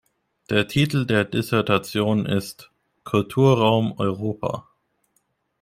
Der Titel der Dissertation ist „Kulturraum Europa“.